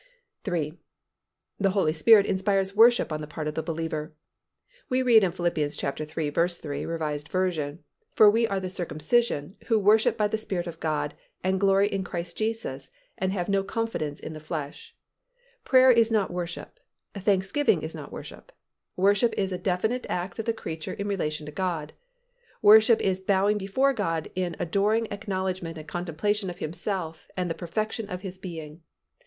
III. The Holy Spirit inspires worship on the part of the believer. We read in Phil. iii. 3, R. V., "For we are the circumcision, who worship by the Spirit of God, and glory in Christ Jesus, and have no confidence in the flesh." Prayer is not worship; thanksgiving is not worship. Worship is a definite act of the creature in relation to God. Worship is bowing before God in adoring acknowledgment and contemplation of Himself and the perfection of His being.